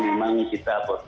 banyak yang cerita hanya konon